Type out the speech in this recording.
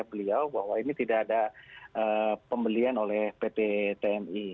pembelian oleh beliau bahwa ini tidak ada pembelian oleh pt tmi